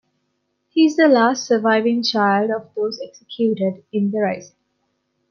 He is the last surviving child of those executed in the Rising.